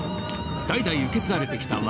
代々受け継がれてきた技。